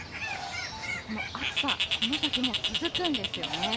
そして、この暑さ、この先も続くんですよね。